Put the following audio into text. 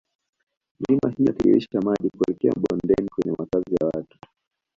Milima hii inatiririsha maji kuelekea mabondeni kwenye makazi ya watu